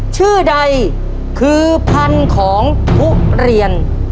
ชื่อใดคือพันธุ์ของทุเรียน